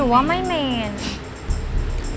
หนูว่าไม่เมน